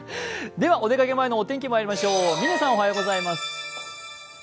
ではお出かけ前のお天気まいりましょう。